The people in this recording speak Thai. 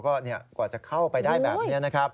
ก็กว่าจะเข้าไปได้แบบนี้นะครับ